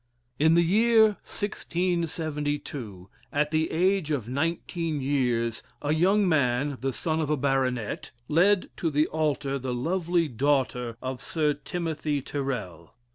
In the year 1672, at the age of nineteen years, a young man (the son of a baronet) led to the altar the lovely daughter of Sir Timothy Tyrrel.